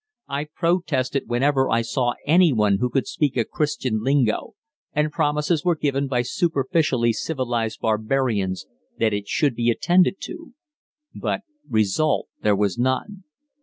I protested whenever I saw anyone who could speak a Christian lingo, and promises were given by superficially civilized barbarians that it should be attended to. But result there was none.